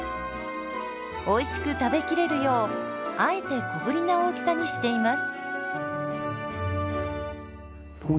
おいしく食べきれるようあえて小ぶりな大きさにしています。